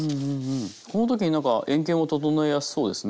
この時になんか円形も整えやすそうですね。